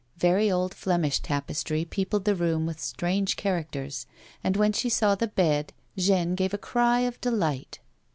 Very old Flemish tapestry peopled the room with strange characters, and when she saw the bed Jeanne gave a cry of delight.